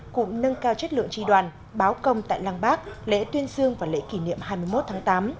cụm nâng cao chất lượng tri đoàn báo công tại lăng bác lễ tuyên dương và lễ kỷ niệm hai mươi một tháng tám